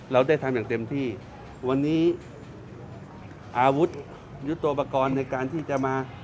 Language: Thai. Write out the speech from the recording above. เราได้ทำอย่างเต็มที่วันนี้อาวุธยุทธโปรกรณ์ในการที่จะมา